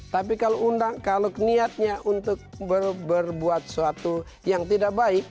tapi kalau undang kalau niatnya untuk berbuat sesuatu yang tidak baik